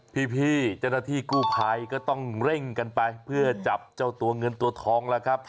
พี่เจ้าหน้าที่กู้ภัยก็ต้องเร่งกันไปเพื่อจับเจ้าตัวเงินตัวทองแล้วครับ